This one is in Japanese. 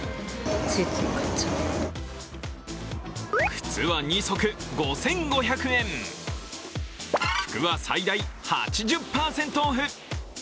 靴は２足５５００円、服は最大８０％オフ。